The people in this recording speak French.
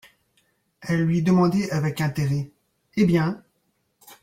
Elle lui demandait avec intérêt: Eh bien